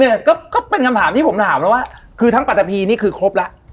ก็เป็นคำถามที่ผมถามแล้วว่าคือทั้งปัตตะพีนี่คือครบแล้ว